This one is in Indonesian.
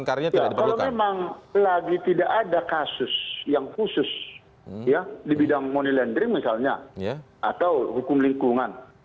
kalau memang lagi tidak ada kasus yang khusus di bidang money laundry misalnya atau hukum lingkungan